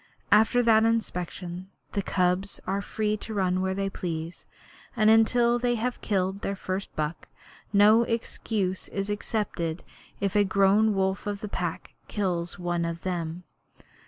After that inspection the cubs are free to run where they please, and until they have killed their first buck no excuse is accepted if a grown wolf of the Pack kills one of them.